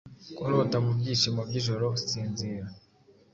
Kurota mubyishimo byijoro; Sinzira,